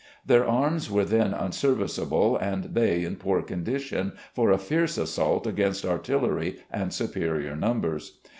Their arms were then unserviceable, and they in poor condition for a fierce assault against artillery and superior numbers.